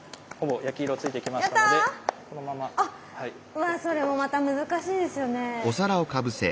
うわそれもまた難しいですよね。